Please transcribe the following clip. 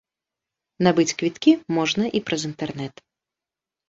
Набыць квіткі можна і праз інтэрнэт.